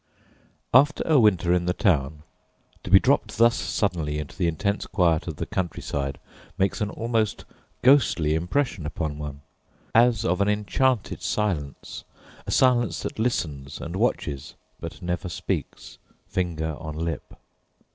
After a winter in the town, to be dropped thus suddenly into the intense quiet of the country side makes an almost ghostly impression upon one, as of an enchanted silence, a silence that listens and watches but never speaks, finger on lip.